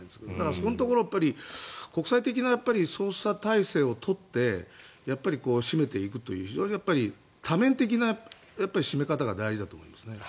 そこのところ国際的な捜査体制を取って締めていくという非常に多面的な締め方が大事だと思いますね。